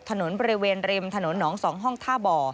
ถนนบริเวณริมถนนหนอง๒ห้องท่าบ่อ